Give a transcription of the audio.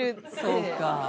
そうか。